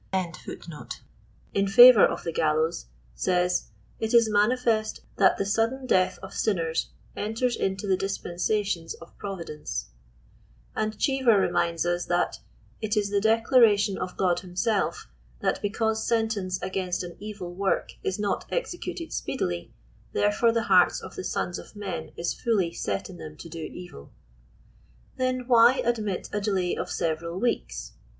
A late British writer* in favor of the gallows, says, *' it is manifest that the sudden death of sinners enters into the dispensations of Providence ;" and Cheever reminds us that " it is the declaration of God himself, that because sentence against an evil work is not executed speedily, therefore the heart of the sons of men is fully set in them to do evil." Then why admit a delay of " several weeks